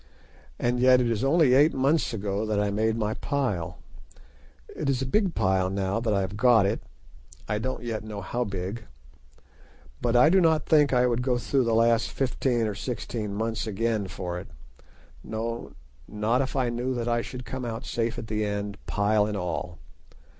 And yet it is only eight months ago that I made my pile. It is a big pile now that I have got it—I don't yet know how big—but I do not think I would go through the last fifteen or sixteen months again for it; no, not if I knew that I should come out safe at the end, pile and all.